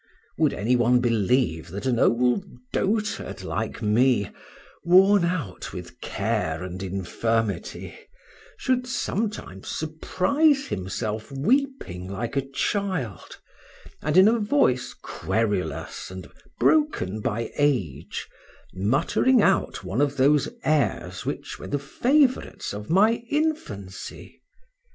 Would any one believe that an old dotard like me, worn out with care and infirmity, should sometime surprise himself weeping like a child, and in a voice querulous, and broken by age, muttering out one of those airs which were the favorites of my infancy?